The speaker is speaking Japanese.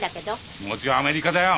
気持ちはアメリカだよ。